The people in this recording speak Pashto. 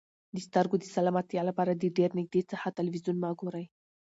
د سترګو د سلامتیا لپاره د ډېر نږدې څخه تلویزیون مه ګورئ.